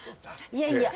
いやいや。